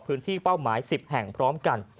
พื้นที่เป้าหมาย๑๐แห่งพร้อมกัน